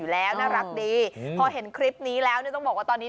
อยู่แล้วน่ารักดีพอเห็นคลิปนี้แล้วต้องบอกว่าตอนนี้